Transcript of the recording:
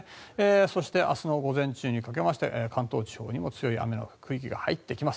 そして明日の午前中にかけて関東地方にも強い雨の区域が入ってきます。